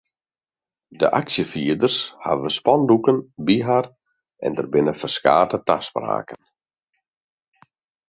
De aksjefierders hawwe spandoeken by har en der binne ferskate taspraken.